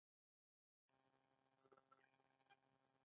د ابریشم تنګی په کابل سیند کې دی